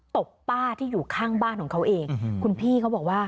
ตบป้าที่อยู่ข้างบ้านของเขาเองคุณพี่เขาบอกว่า